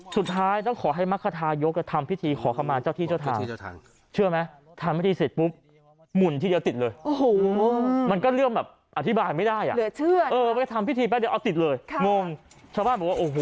สุดท้ายต้องขอให้มรรคธายกทำพิธีขอข้อมาเจ้าที่เจ้าทาง